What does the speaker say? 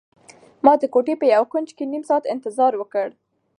ما د کوټې په یو کنج کې نيم ساعت انتظار وکړ.